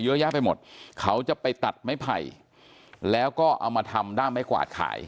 เยอะแยะไปหมดเขาจะไปตัดไม้ไผ่แล้วก็เอามาทำด้ามไม้กวาดขาย